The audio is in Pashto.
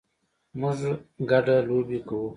موږ ګډه لوبې کوو